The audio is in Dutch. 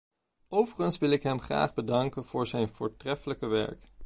Overigens wil ik hem graag bedanken voor zijn voortreffelijke werk.